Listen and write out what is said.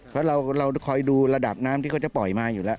เพราะเราคอยดูระดับน้ำที่เขาจะปล่อยมาอยู่แล้ว